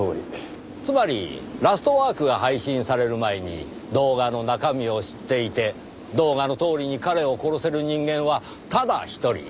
つまり『ラストワーク』が配信される前に動画の中身を知っていて動画のとおりに彼を殺せる人間はただ１人。